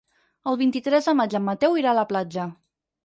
El vint-i-tres de maig en Mateu irà a la platja.